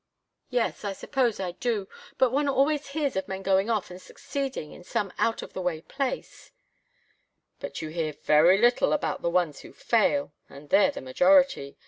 "Yes I suppose I do. But one always hears of men going off and succeeding in some out of the way place " "But you hear very little about the ones who fail, and they're the majority.